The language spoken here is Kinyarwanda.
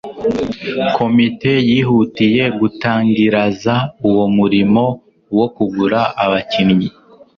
komite yihutiye gutangiraza uwo murimo wo kugura abakinnyi